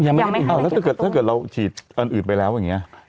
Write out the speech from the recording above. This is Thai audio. ยังไม่ถ้าเกิดเราฉีดอื่นไปแล้วอย่างนี้